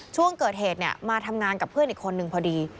ช่วงเกิดเหตุมาทำงานกับเพื่อนอีกคนนึงพอดี